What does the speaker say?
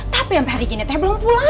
tapi sampai hari ini teh belum pulang